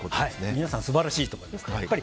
皆さん素晴らしいと思います。